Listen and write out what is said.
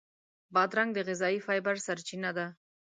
بادرنګ د غذایي فایبر سرچینه ده.